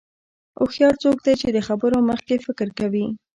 هوښیار څوک دی چې د خبرو مخکې فکر کوي.